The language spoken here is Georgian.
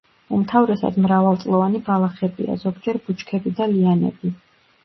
უმთავრესად მრავალწლოვანი ბალახებია, ზოგჯერ ბუჩქები და ლიანები.